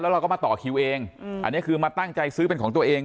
เราก็มาต่อคิวเองอันนี้คือมาตั้งใจซื้อเป็นของตัวเอง